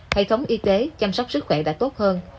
hệ thống y tế chăm sóc sức khỏe đã tốt hơn